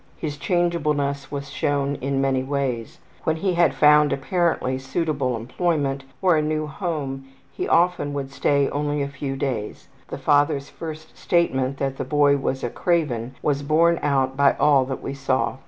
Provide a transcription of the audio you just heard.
His changeableness was shown in many ways. When he had been found apparently suitable employment or a new home he often would stay only a few days. The father's first statement that the boy was a craven was borne out by all that we saw.